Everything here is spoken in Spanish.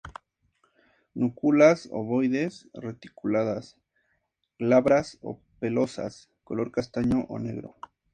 Núculas ovoides, reticuladas, glabras o pelosas, color castaño o negro.